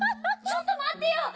ちょっとまってよ！